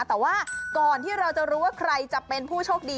แต่ว่าก่อนที่เราจะรู้ว่าใครจะเป็นผู้โชคดี